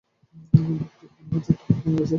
বুক থেকে মনে হচ্ছে একটা পাথর নেমে গেছে!